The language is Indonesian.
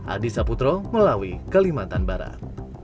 adi saputro melawi kalimantan barat